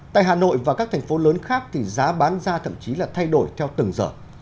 tại hà nội và các thành phố lớn khác thì giá bán ra thậm chí là thay đổi theo từng giờ